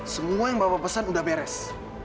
semua yang bapak pesan udah beres